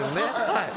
はい